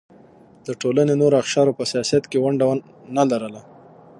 د ټولنې نورو اقشارو په سیاست کې ونډه نه لرله.